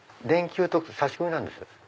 電球と差し込みなんですよ。